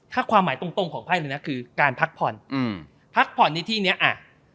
ถ้าความหมายตรงตรงของไพ่เลยนะคือการพักพรพักพรในที่เนี้ยอ่ะ